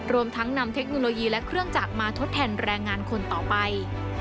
รวมทั้งนำเทคโนโลยีและเครื่องจักรมาทดแทนแรงงานคนต่อไป